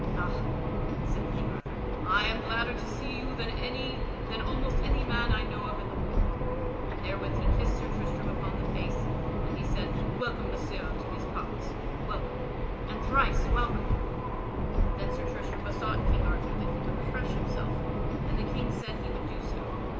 "Ha," said King Arthur, "I am gladder to see you than almost any man I know of in the world," and therewith he kissed Sir Tristram upon the face, and he said: "Welcome, Messire, to these parts! Welcome! And thrice welcome!" Then Sir Tristram besought King Arthur that he would refresh himself, and the King said he would do so.